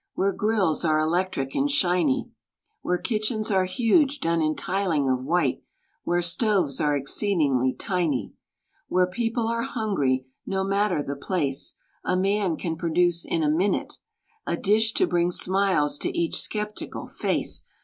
Where grills are electric and shiny, Where kitchens are huge, done in tiling of white. Where stoves are exceedingly tiny. Where people are hungry — no matter the place — A man can produce in a minute A dish to bring smiles to each skeptical face.